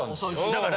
だから。